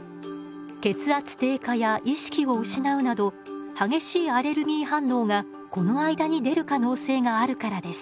血圧低下や意識を失うなど激しいアレルギー反応がこの間に出る可能性があるからです。